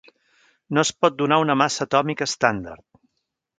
No es pot donar una massa atòmica estàndard.